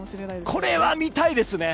これは見たいですね！